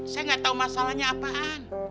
saya nggak tahu masalahnya apaan